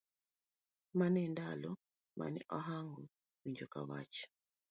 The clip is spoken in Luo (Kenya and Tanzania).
Mano e ndalo ma ne ahango winjo ka wach